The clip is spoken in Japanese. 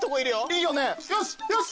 いいよねよしよし！